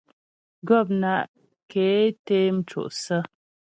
Gɔpna' ké té mco' sə̀.